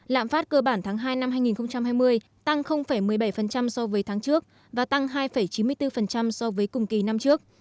lạm phát cơ bản tháng hai năm hai nghìn hai mươi tăng một mươi bảy so với tháng trước và tăng hai chín mươi bốn so với cùng kỳ năm trước